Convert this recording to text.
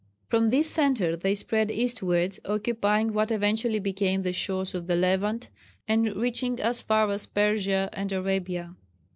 From this centre they spread eastwards, occupying what eventually became the shores of the Levant, and reaching as far as Persia and Arabia.